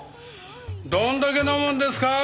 どんだけ飲むんですか？